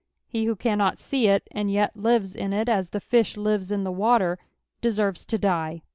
He who Gannot see it, and jet lives in it as the fish Ures in the water, deserves to die.